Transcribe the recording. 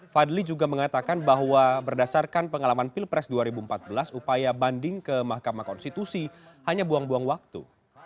fadli juga mengatakan bahwa berdasarkan pengalaman pilpres dua ribu empat belas upaya banding ke mahkamah konstitusi hanya buang buang waktu